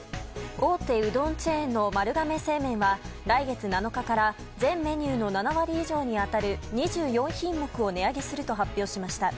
大手うどんチェーンの丸亀製麺は来月７日から全メニューの７割以上に当たる２４品目を値上げすると発表しました。